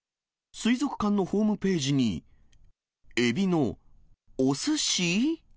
水族館のホームページに、エビのおすし？